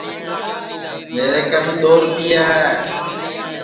میرے کن دؔو ریپئے ہے